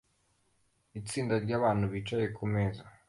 Itsinda ryabantu bicaye kumeza